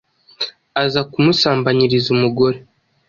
aza kumusambanyiriza umugore.